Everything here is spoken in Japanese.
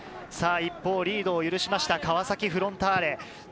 一方、リードを許しました川崎フロンターレ。